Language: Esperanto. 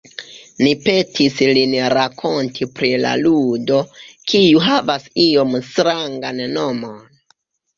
Ni petis lin rakonti pri la ludo, kiu havas iom strangan nomon.